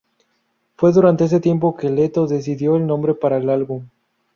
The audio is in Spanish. Fue durante ese tiempo que Leto decidió el nombre para el álbum.